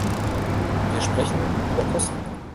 Wir sprechen über Kosten.